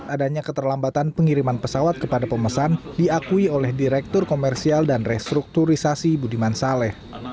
adanya keterlambatan pengiriman pesawat kepada pemesan diakui oleh direktur komersial dan restrukturisasi budiman saleh